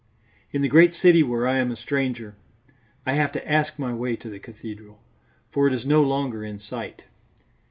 In the great city where I am a stranger, I have to ask my way to the cathedral, for it is no longer in sight.